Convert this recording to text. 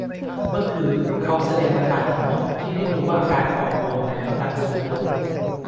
เมื่อคืนเขาแสดงอาการทั้งหมดที่ให้รูว่าอาการปอดบวมนั้นกำลังทรุดลง